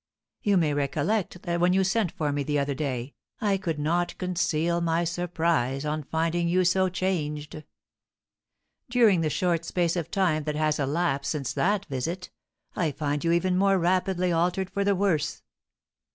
You may recollect that when you sent for me the other day, I could not conceal my surprise on finding you so changed; during the short space of time that has elapsed since that visit, I find you even more rapidly altered for the worse.